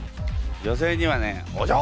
女性にはねお嬢！